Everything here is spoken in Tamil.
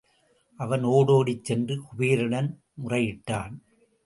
அவன் ஒடோடிச் சென்று குபேரனிடம் முறையிட்டான்.